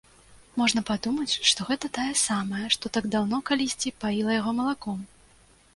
Можна падумаць, што гэта тая самая, што так даўно, калісьці, паіла яго малаком.